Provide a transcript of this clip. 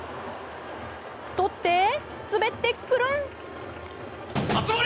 とって、滑って、くるん！